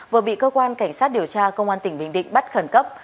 vừa bị cơ quan cảnh sát điều tra công an tỉnh bình định bắt khẩn cấp